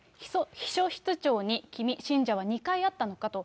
秘書室長に君、信者は２回会ったのかと。